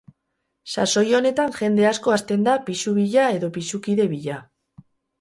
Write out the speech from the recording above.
Sasoi honetan jende asko hasten da pisu bila edo pisukide bila.